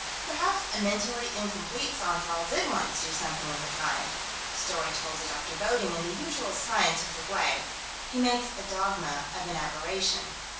Perhaps a mentally incomplete Santal did once do something of the kind. Story told to Dr. Bodding: in the usual scientific way, he makes a dogma of an aberration.